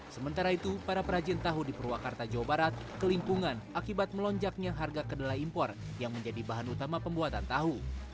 sementara itu para perajin tahu di purwakarta jawa barat kelimpungan akibat melonjaknya harga kedelai impor yang menjadi bahan utama pembuatan tahu